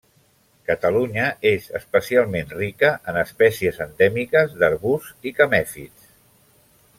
Catalunya és especialment rica en espècies endèmiques d'arbusts i camèfits.